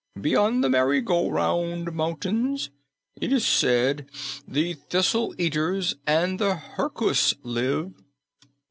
Beyond the Merry Go Round Mountains it is said the Thistle Eaters and the Herkus live."